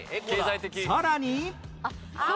さらに